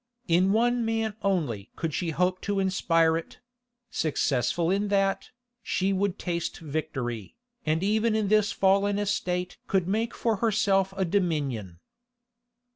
In one man only could she hope to inspire it; successful in that, she would taste victory, and even in this fallen estate could make for herself a dominion.